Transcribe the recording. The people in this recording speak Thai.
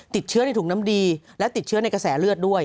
ติดเชื้อในถุงน้ำดีและติดเชื้อในกระแสเลือดด้วย